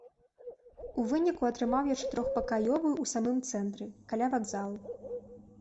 У выніку атрымаў я чатырохпакаёвую ў самым цэнтры, каля вакзалу.